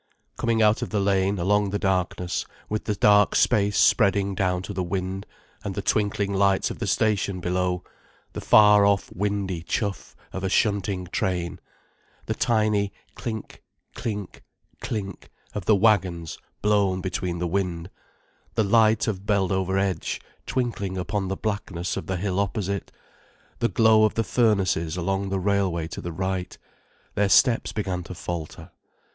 Coming out of the lane along the darkness, with the dark space spreading down to the wind, and the twinkling lights of the station below, the far off windy chuff of a shunting train, the tiny clink clink clink of the wagons blown between the wind, the light of Beldover edge twinkling upon the blackness of the hill opposite, the glow of the furnaces along the railway to the right, their steps began to falter.